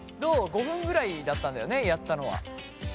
５分ぐらいだったんだよねやったのは？